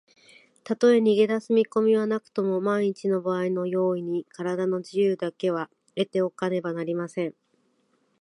たとえ逃げだす見こみはなくとも、まんいちのばあいの用意に、からだの自由だけは得ておかねばなりません。